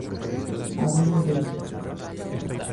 habían bebido